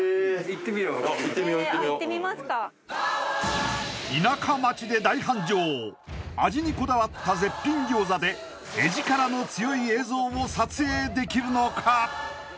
行ってみよ行ってみよ行ってみますか味にこだわった絶品餃子でエヂカラの強い映像を撮影できるのか？